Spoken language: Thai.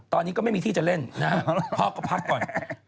ตอนนี้ก็ไม่มีที่จะเล่นนะฮะพ่อก็พักก่อน